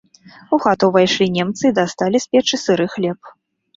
У хату ўвайшлі немцы і дасталі з печы сыры хлеб.